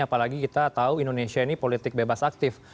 apalagi kita tahu indonesia ini politik bebas aktif